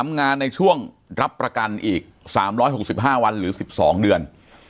งานในช่วงรับประกันอีก๓๖๕วันหรือ๑๒เดือน